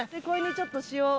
これにちょっと塩。